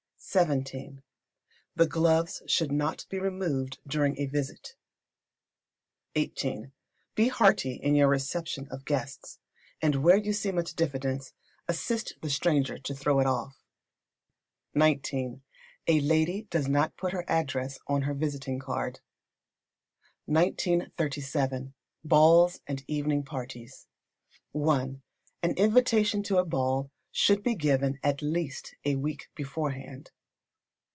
xvii. The gloves should not be removed during a visit. xviii. Be hearty in your reception of guests; and where you see much diffidence, assist the stranger to throw it off. xix. A lady does not put her address on her visiting card. 1937. Balls and Evening Parties. i. An invitation to a ball should be given at least a week beforehand.